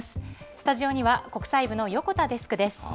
スタジオには、国際部の横田デスクです。